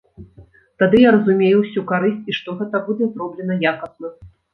Тады я разумею ўсю карысць і што гэта будзе зроблена якасна.